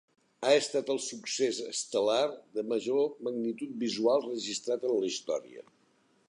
Ha estat el succés estel·lar de major magnitud visual registrat en la història.